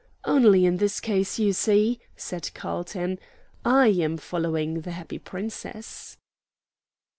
"Only in this case, you see," said Carlton, "I am following the happy Princess."